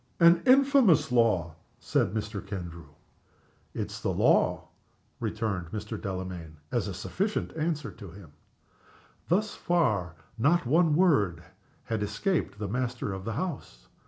"An infamous law!" said Mr. Kendrew. "It is the law," returned Mr. Delamayn, as a sufficient answer to him. Thus far not a word had escaped the master of the house.